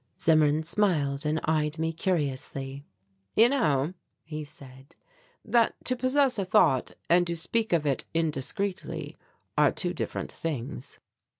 Zimmern smiled and eyed me curiously. "You know," he said, "that to possess a thought and to speak of it indiscreetly are two different things."